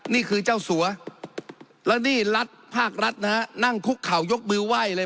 นี่คือเจ้าสัวแล้วนี่รัฐภาครัฐนะฮะนั่งคุกเข่ายกมือไหว้เลย